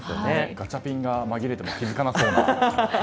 ガチャピンが紛れても気づかなさそうな。